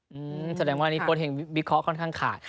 อืมแสดงว่านี้บทเห็นวิเคราะห์ค่อนข้างขาด